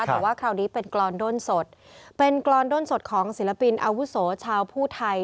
แต่ว่าคราวนี้เป็นกรอนด้นสดเป็นกรอนด้นสดของศิลปินอาวุโสชาวผู้ไทย